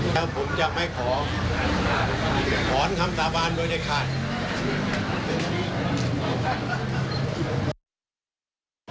แล้วผมจะไม่ขอขอนคำสาบานด้วยในข้าง